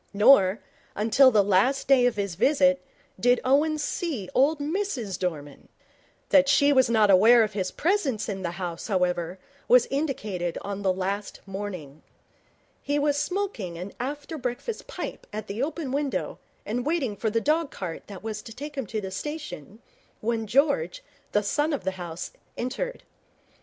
Nor, until the last day of his visit, did Owen see old Mrs Dorman. That she was not unaware of his presence in the house, however, was indicated on the last morning. He was smoking an after breakfast pipe at the open window and waiting for the dog cart that was to take him to the station, when George, the son of the house, entered.